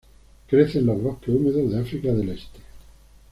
Crece en los bosques húmedos de África del Este.